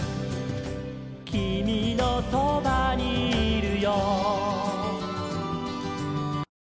「きみのそばにいるよ」